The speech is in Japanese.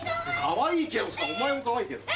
かわいいけどさお前もかわいいけど。